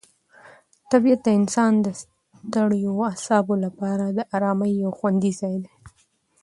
طبیعت د انسان د ستړیو اعصابو لپاره د آرامۍ یو خوندي ځای دی.